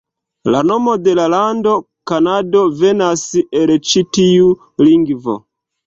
La nomo de la lando, Kanado, venas el ĉi tiu lingvo.